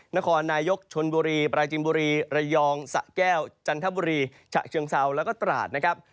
นครนายกชนบุรีปราจินบุรีระยองสะแก้วจันทบุรีฉะเชิงเซาแล้วก็ตราดนะครับ